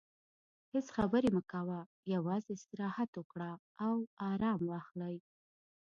هیڅ خبرې مه کوه، یوازې استراحت وکړه او ارام واخلې.